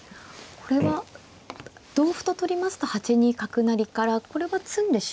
これは同歩と取りますと８二角成からこれは詰んでしまいそうですか。